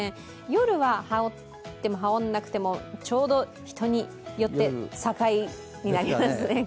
夜は羽織っても羽織んなくても人によって境になりますね。